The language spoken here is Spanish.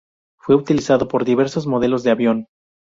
Fue utilizado por diversos modelos de avión.